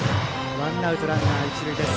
ワンアウトランナー、一塁です。